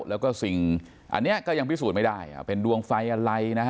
แล้วก็สิ่งอันนี้ก็ยังพิสูจน์ไม่ได้เป็นดวงไฟอะไรนะฮะ